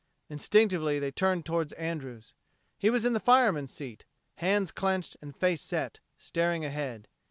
Instinctively they turned toward Andrews. He was in the fireman's seat, hands clenched and face set, staring ahead.